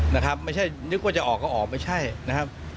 นึกว่าจะออกก็ออกไม่ใช่นะครับ